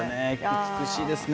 美しいですね。